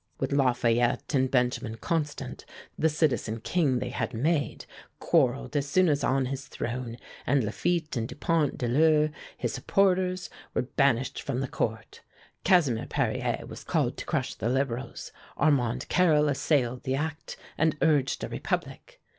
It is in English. With Lafayette and Benjamin Constant, the Citizen King they had made, quarreled as soon as on his throne, and Lafitte and Dupont de l'Eure, his supporters, were banished from the Court. Casimir Perier was called to crush the Liberals. Armand Carrel assailed the act, and urged a republic.